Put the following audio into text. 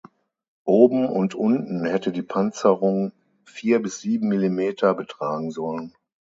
Oben und unten hätte die Panzerung vier bis sieben Millimeter betragen sollen.